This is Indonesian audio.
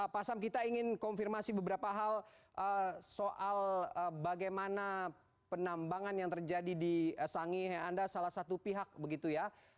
pak sam kita ingin konfirmasi beberapa hal soal bagaimana penambangan yang terjadi di sangihe anda salah satu pihak begitu ya